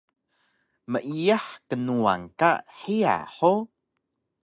Meiyah knuwan ka hiya hug?